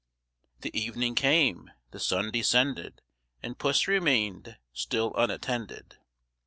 The evening came, the sun descended, And Puss remain'd still unattended.